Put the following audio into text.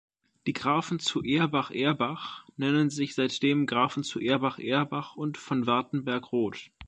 Die Grafen zu Erbach-Erbach nennen sich seitdem "Grafen zu Erbach-Erbach und von Wartenberg-Roth".